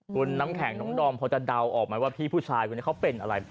คุณน้ำแข็งน้องดอมพอจะเดาออกไหมว่าพี่ผู้ชายคนนี้เขาเป็นอะไร